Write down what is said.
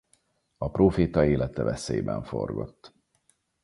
A próféta élete veszélyben forgott.